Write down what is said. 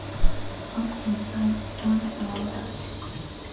Often I don't allow that.